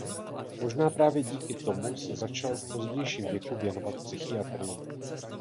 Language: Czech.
Možná právě díky tomu se začal v pozdějším věku věnovat psychiatrii.